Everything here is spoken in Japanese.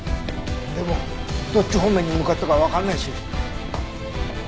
でもどっち方面に向かったかはわからないし。